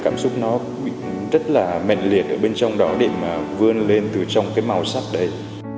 cảm xúc nó rất là mạnh liệt ở bên trong đó để mà vươn lên từ trong cái màu sắc đấy